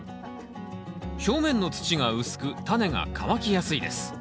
表面の土が薄くタネが乾きやすいです。